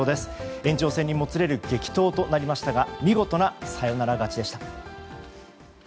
延長戦にもつれる激闘となりましたが見事なサヨナラ勝ちでした。